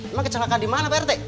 emang kecelakaan dimana pak rt